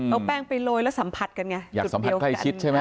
เอาแป้งไปโรยแล้วสัมผัสกันไงอยากสัมผัสใกล้ชิดใช่ไหม